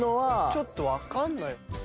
ちょっとわかんない。